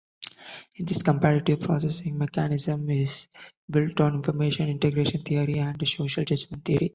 This comparative processing mechanism is built on "information-integration theory" and "social judgement theory".